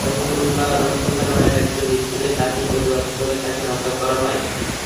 রহিমুল্লাহ নামের একজন বিদ্রোহী চাষি প্রতিবাদ করলে তাঁকে হত্যা করা হয়।